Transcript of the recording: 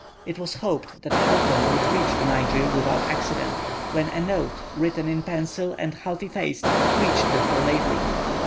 It was hoped that Houghton would reach the Niger without accident, when a note, written in pencil and half effaced, reached Dr. Laidley.